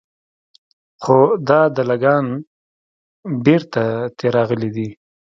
خو دا دله ګان بېرته تې راغلي دي.